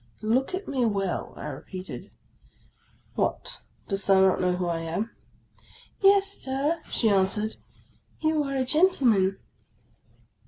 "Look at me well," I repeated. "What! dost thou not know who I am? "" Yes, Sir," she answered. " You are a gentleman."